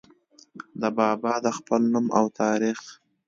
د بابا د خپل نوم او تاريخ